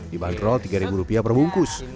dibanderol tiga ribu rupiah perbungkus